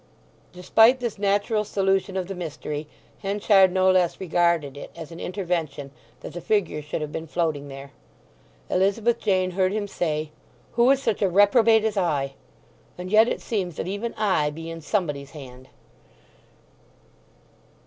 Despite this natural solution of the mystery Henchard no less regarded it as an intervention that the figure should have been floating there. Elizabeth Jane heard him say, "Who is such a reprobate as I! And yet it seems that even I be in Somebody's hand!"